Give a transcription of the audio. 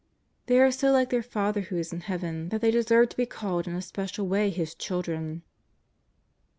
They are so like their Father who is in Heaven that they deserve to be called in a special way His children.